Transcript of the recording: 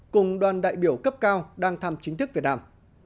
cùng đoàn đại biểu cấp cao đang thăm chính thức việt nam